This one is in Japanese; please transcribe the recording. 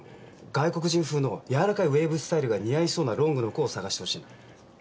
外国人風の柔らかいウエーブスタイルが似合いそうなロングの子を探してほしいんだ。